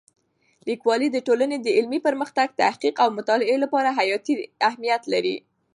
لیکوالی د ټولنې د علمي پرمختګ، تحقیق او مطالعې لپاره حیاتي اهمیت لري.